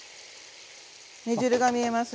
煮汁が見えますね。